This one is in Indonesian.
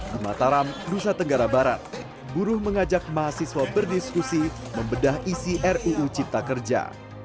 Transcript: di mataram nusa tenggara barat buruh mengajak mahasiswa berdiskusi membedah isi ruu cipta kerja